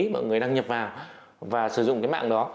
mọi người đăng nhập vào và sử dụng cái mạng đó